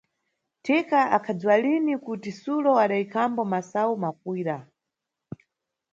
Thika akhadziwa lini kuti Sulo adayikhambo masayu mafuyira.